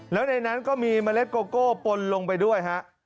แล้วในนั้นก็มีเมล็ดโกโก้ปนลงไปด้วยฮะ